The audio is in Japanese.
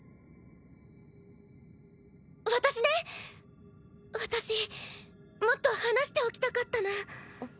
私ね私もっと話しておきたかったな。